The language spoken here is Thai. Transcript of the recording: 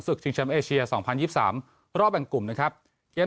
ศึกชิงเชียมเอเชียสองพันยิบสามรอบแห่งกลุ่มนะครับเย็น